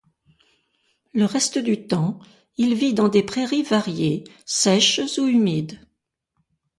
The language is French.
Le reste du temps, il vit dans des prairies variées, sèches ou humides.